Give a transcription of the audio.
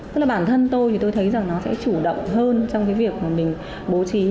tức là bản thân tôi thì tôi thấy rằng nó sẽ chủ động hơn trong cái việc mà mình bố trí